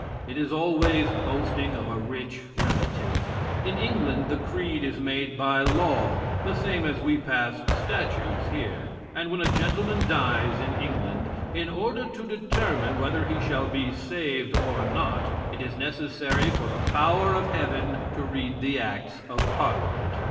It is always boasting of a rich relative. In England the creed is made by law, the same as we pass statutes here. And when a gentleman dies in England, in order to determine whether he shall be saved or not, it is necessary for the power of heaven to read the acts of Parliament.